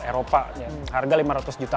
eropa harga lima ratus juta